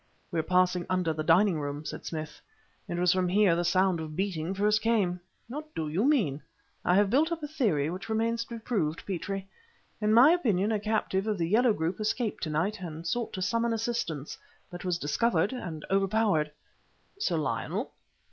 "We are passing under the dining room," said Smith. "It was from here the sound of beating first came!" "What do you mean?" "I have built up a theory, which remains to be proved, Petrie. In my opinion a captive of the Yellow group escaped to night and sought to summon assistance, but was discovered and overpowered." "Sir Lionel?"